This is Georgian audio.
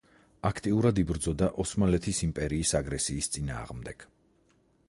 აქტიურად იბრძოდა ოსმალეთის იმპერიის აგრესიის წინააღმდეგ.